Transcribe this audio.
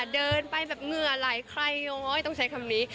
เดินไปแบบเหงื่อไหลใครย้อยต้องใช้คำนี้